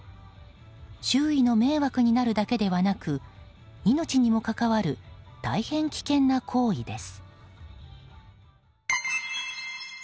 周囲の迷惑になるだけではなく命にも関わる大変危険な行為です。